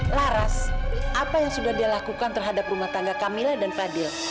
laras apa yang sudah dia lakukan terhadap rumah tangga camilla dan fadil